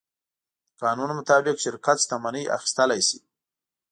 د قانون مطابق شرکت شتمنۍ اخیستلی شي.